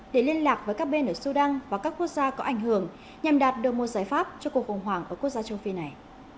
để liên lạc với các bên ở sudan và các quốc gia có ảnh hưởng nhằm đạt được một giải pháp cho cuộc khủng hoảng ở quốc gia châu phi này